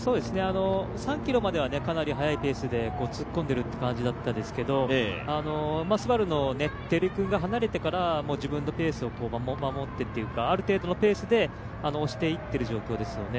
３ｋｍまではかなり速いペースで突っ込んでいるという感じでしたけど、ＳＵＢＡＲＵの照井君が離れてから自分のペースを守ってというか、ある程度のペースで押していっている状況ですよね。